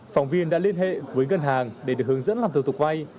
phóng viên đã liên hệ với ngân hàng để được hướng dẫn làm tổng tục vay